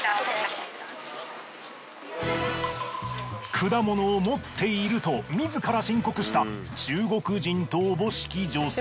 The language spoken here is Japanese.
果物を持っていると自ら申告した中国人とおぼしき女性。